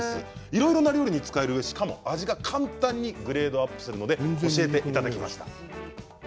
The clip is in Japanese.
いろいろな料理に使えるしかも味が簡単にグレードアップするので教えていただきました。